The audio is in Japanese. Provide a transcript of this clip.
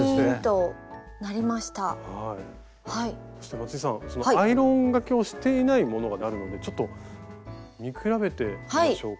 松井さんそのアイロンがけをしていないものがあるのでちょっと見比べてみましょうか。